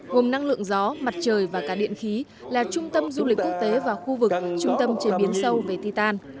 gồm năng lượng gió mặt trời và cả điện khí là trung tâm du lịch quốc tế và khu vực trung tâm chế biến sâu về titan